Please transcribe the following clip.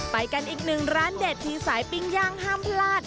ไปกันอีกหนึ่งร้านเด็ดที่สายปิ้งย่างห้ามพลาด